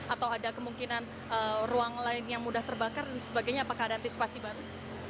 atau ada kemungkinan ruang lain yang mudah terbakar dan sebagainya apakah ada antisipasi baru